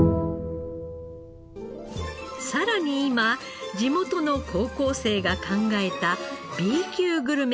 さらに今地元の高校生が考えたＢ級グルメが大ブーム！